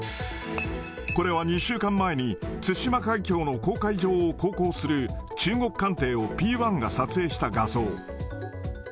これは、２週間前に対馬海峡の公海上を航行する中国艦艇をＰー１が撮影した画像。